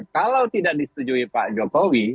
kalau tidak disetujui pak jokowi